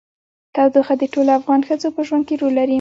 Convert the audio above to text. تودوخه د ټولو افغان ښځو په ژوند کې رول لري.